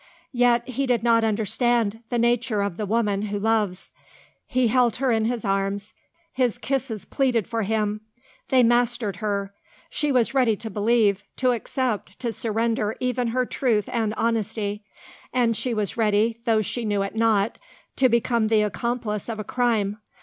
Yet he did not understand the nature of the woman who loves. He held her in his arms; his kisses pleaded for him; they mastered her she was ready to believe, to accept, to surrender even her truth and honesty; and she was ready, though she knew it not, to become the accomplice of a crime.